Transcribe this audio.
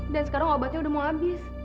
dan sekarang obatnya udah mau abis